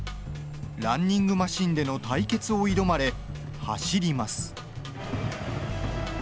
ランニングマシンでの対決を挑まれ走ります。